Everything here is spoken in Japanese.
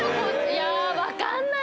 いや分かんない！